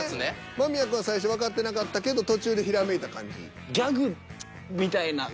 間宮くんは最初わかってなかったけど途中でひらめいた感じ？